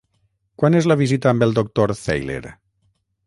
Quan és la visita amb el doctor Theiler?